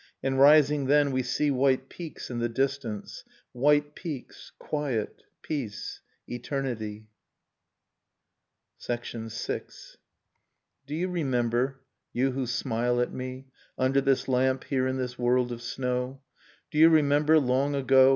And rising, then, we see white peaks in the distance ... White peaks ... quiet ... peace ... eternity ... VI. Do you remember, you who smile at me. Under this lamp, here in this world of snow. Do you remember, long ago